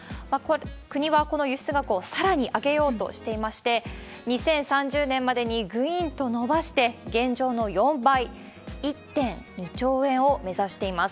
国はこの輸出額をさらに上げようとしていまして、２０３０年までにぐいーんと伸ばして、現状の４倍、１．２兆円を目指しています。